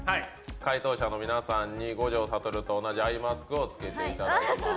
解答者の皆さんに五条悟と同じアイマスクを着けていただきます。